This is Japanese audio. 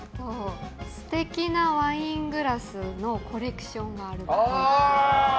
素敵なワイングラスのコレクションがあるっぽい。